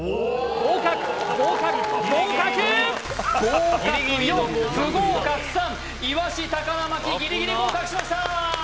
合格４不合格３いわし高菜巻ギリギリ合格しました！